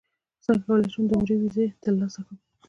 څنګه کولی شم د عمرې ویزه ترلاسه کړم